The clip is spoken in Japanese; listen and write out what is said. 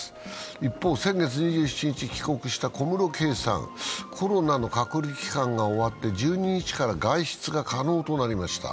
一方、先月２７日帰国した小室圭さん、コロナの隔離期間が終わって１２日から外出が可能となりました。